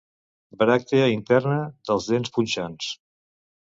Bràctea interna de dents punxants.